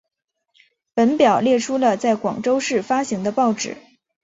本表列出了在广州市发行的报纸。